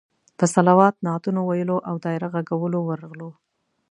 په صلوات، نعتونو ویلو او دایره غږولو ورغلو.